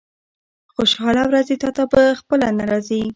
خوشاله ورځې تاته په خپله نه راځي.